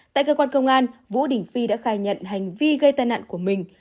tại cơ quan công an vũ đình phi đã khai nhận hành vi gây tai nạn của mình